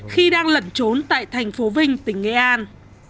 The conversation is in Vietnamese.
khi đang lẩn trốn tại thành phố vinh tỉnh nghệ an